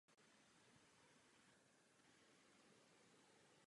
O původu tohoto světce není příliš mnoho zpráv.